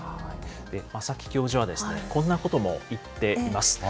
正木教授は、こんなことも言っています。